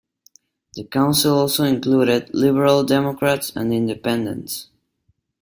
The council also included Liberal Democrats and Independents.